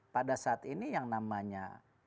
pada saat ini yang namanya